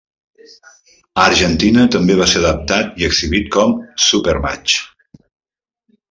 A Argentina també va ser adaptat i exhibit com "Supermatch".